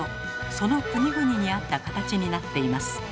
その国々に合った形になっています。